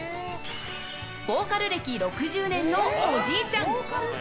ボーカル歴６０年のおじいちゃん。